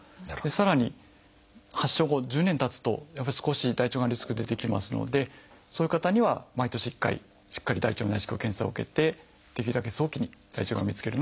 さらに発症後１０年たつとやっぱり少し大腸がんのリスク出てきますのでそういう方には毎年１回しっかり大腸内視鏡検査を受けてできるだけ早期に大腸がんを見つけるのが大事といわれています。